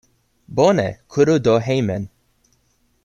Bone, kuru do hejmen.